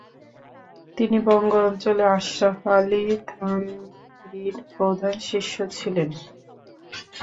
তিনি বঙ্গ অঞ্চলে আশরাফ আলী থানভীর প্রধান শিষ্য ছিলেন।